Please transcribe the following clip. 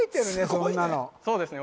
そんなのそうですね